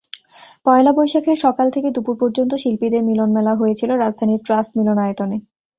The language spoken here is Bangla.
পয়লা বৈশাখের সকাল থেকে দুপুর পর্যন্ত শিল্পীদের মিলনমেলা হয়েছিল রাজধানীর ট্রাস্ট মিলনায়তনে।